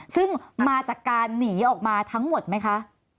ซึ่งมาจากการหนีออกมาทั้งหมดไหมคะ